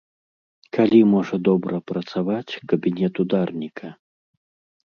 Калі можа добра працаваць кабінет ударніка?